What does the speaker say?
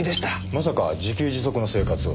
まさか自給自足の生活を？